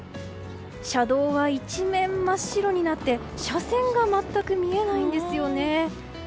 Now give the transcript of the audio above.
車道は一面真っ白になって車線が全く見えないんですよね。